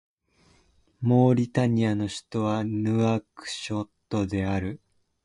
モーリタニアの首都はヌアクショットである